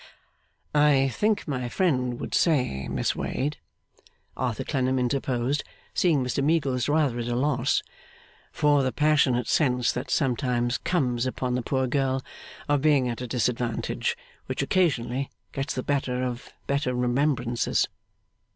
'I think my friend would say, Miss Wade,' Arthur Clennam interposed, seeing Mr Meagles rather at a loss, 'for the passionate sense that sometimes comes upon the poor girl, of being at a disadvantage. Which occasionally gets the better of better remembrances.